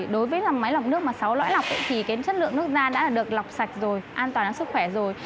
đối với máy lọc nước mà sáu lõi lọc thì chất lượng nước ra đã được lọc sạch rồi an toàn sức khỏe rồi